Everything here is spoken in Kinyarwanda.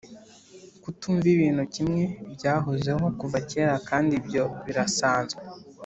kutumva ibintu kimwe byahozeho kuva kera kandi ibyo birasanzwe